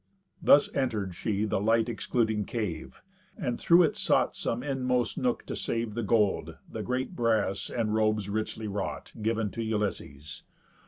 Thus enter'd she the light excluding cave, And through it sought some inmost nook to save The gold, the great brass, and robes richly wrought, Giv'n to Ulysses.